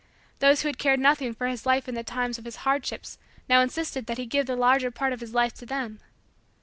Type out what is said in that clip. Those who had cared nothing for his life in the times of his hardships now insisted that he give the larger part of his life to them.